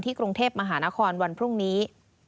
กรุงเทพมหานครวันพรุ่งนี้